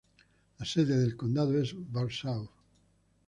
La sede de condado es Warsaw.